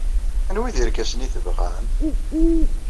Anwi ay d irkasen ay tebɣam?